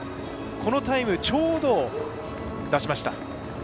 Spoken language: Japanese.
このタイムちょうどを出しました。